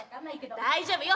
大丈夫よ。